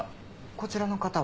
こちらの方は？